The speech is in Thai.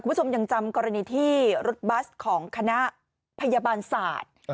คุณผู้ชมยังจำกรณีที่รถบัสของคณะพยาบาลศาสตร์